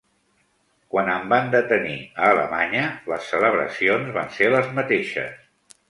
Quan em van detenir a Alemanya, les celebracions van ser les mateixes.